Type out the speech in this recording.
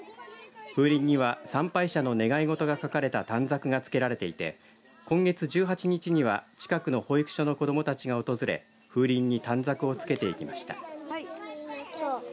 風鈴には参拝者の願い事が書かれた短冊がつけられていて今月１８日には近くの保育所の子どもたちが訪れ風鈴に短冊を付けていきました。